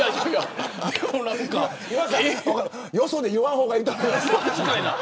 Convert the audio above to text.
今田さん、よそで言わん方がいいと思います。